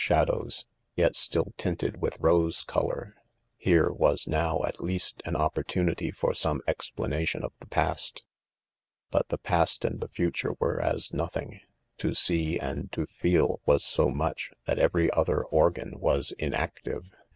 shadows, yet still tinted with rose color* Herewas; now, at. leas V an opportuni ty for some explanation of the past. But the past and theWunire. were as nothings to. see, and to feel wassom ueh, that every other or* gan was inactive.